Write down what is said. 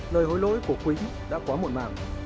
lời hối lỗi của quỳnh đã quá muộn màng